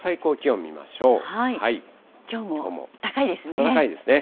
きょうも高いですね。